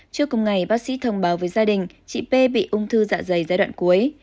trước cùng ngày bác sĩ thông báo với gia đình chị p bị ung thư dạ dày giai đoạn cuối